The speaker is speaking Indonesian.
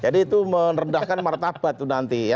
jadi itu menrendahkan martabat itu nanti ya